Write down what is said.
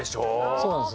そうなんですよ。